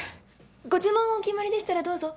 ご注文お決まりでしたらどうぞ。